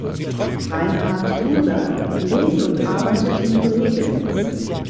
Reinhard Luger lebt und arbeitet in Bregenz.